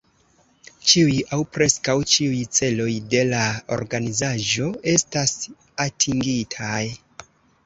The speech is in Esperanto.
Ĉiuj aŭ preskaŭ ĉiuj celoj de la organizaĵo estas atingitaj.